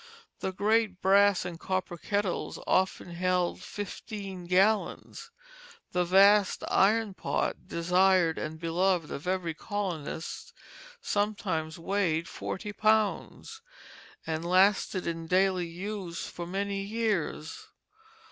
The great brass and copper kettles often held fifteen gallons. The vast iron pot desired and beloved of every colonist sometimes weighed forty pounds, and lasted in daily use for many years.